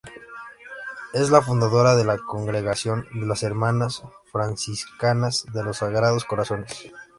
Es la fundadora de la Congregación de las Hermanas Franciscanas de los Sagrados Corazones.